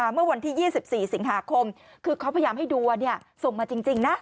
เมื่อวันที่๒๔สิงหาคมคือเขาพยายามให้ดูว่าส่งมาจริงนะ